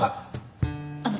あっ！